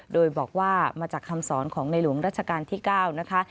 โดยบอกว่ามาจากคำสอนของในหลวงรัชกาลที่๙นะคะ